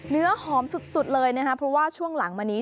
เนื้อหอมสุดเลยนะคะเพราะว่าช่วงหลังมานี้